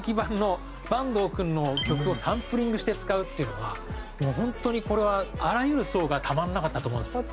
伴の坂東君の曲をサンプリングして使うっていうのは本当にこれはあらゆる層がたまんなかったと思うんです。